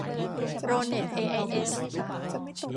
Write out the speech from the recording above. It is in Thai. โปรเน็ตเอไอเอส